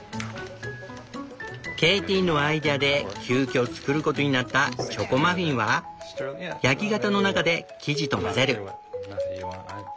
ケイティのアイデアで急きょ作ることになったチョコマフィンは焼き型の中で生地と混ぜる。